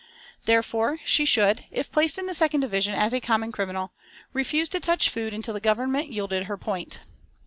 Therefore she should, if placed in the second division as a common criminal, refuse to touch food until the Government yielded her point.